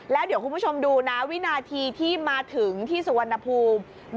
แล้วเดี๋ยวคุณผู้ชมดูนะวินาทีที่มาถึงที่สุวรรณภูมิ